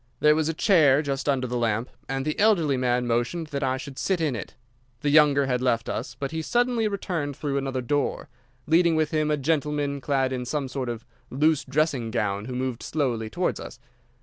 There was a chair just under the lamp, and the elderly man motioned that I should sit in it. The younger had left us, but he suddenly returned through another door, leading with him a gentleman clad in some sort of loose dressing gown who moved slowly towards us.